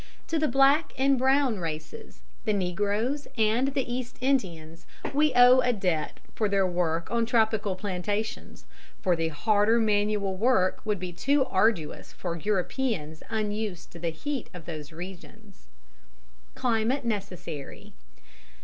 To the black and brown races, the negroes and the East Indians, we owe a debt for their work on tropical plantations, for the harder manual work would be too arduous for Europeans unused to the heat of those regions. _Climate Necessary.